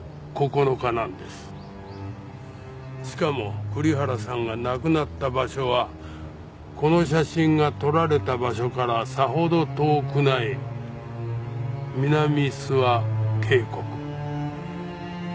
しかも栗原さんが亡くなった場所はこの写真が撮られた場所からさほど遠くない南諏訪渓谷。